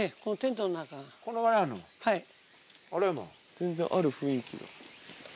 全然ある雰囲気。